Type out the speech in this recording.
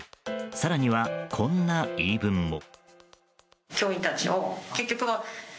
更には、こんな言い分も。